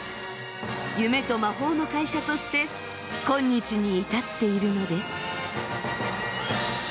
「夢と魔法の会社」として今日に至っているのです。